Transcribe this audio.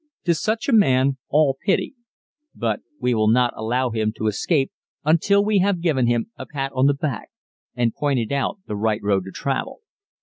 _ To such a man, all pity, but we will not allow him to escape until we have given him a pat on the back and pointed out the right road to travel.